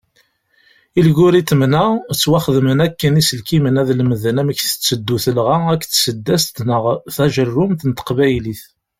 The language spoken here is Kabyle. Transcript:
Ilguritmen-a, ttwaxedmen akken iselkimen ad lemden amek tetteddu telɣa akked tseddast neɣ tajerrumt n teqbaylit.